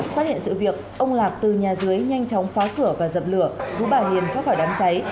phát hiện sự việc ông lạc từ nhà dưới nhanh chóng pháo cửa và dập lửa đu bà hiền phát khỏi đám cháy